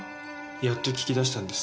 やっと聞き出したんです。